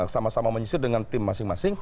sama sama menyisir dengan tim masing masing